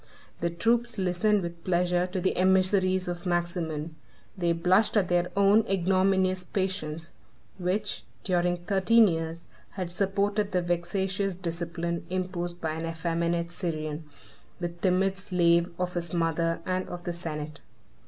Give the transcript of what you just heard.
The troops listened with pleasure to the emissaries of Maximin. They blushed at their own ignominious patience, which, during thirteen years, had supported the vexatious discipline imposed by an effeminate Syrian, the timid slave of his mother and of the senate.